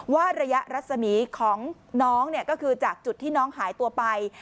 ระยะรัศมีของน้องก็คือจากจุดที่น้องหายตัวไป